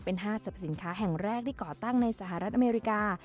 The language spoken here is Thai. ห้างสรรพสินค้าแห่งแรกที่ก่อตั้งในสหรัฐอเมริกา